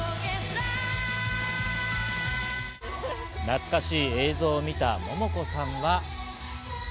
懐かしい映像を見たモモコさんは。